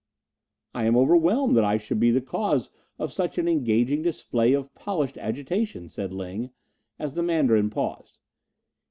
'" "I am overwhelmed that I should be the cause of such an engaging display of polished agitation," said Ling, as the Mandarin paused.